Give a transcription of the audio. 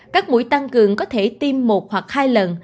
các mũi tăng cường có thể tiêm một hoặc hai lần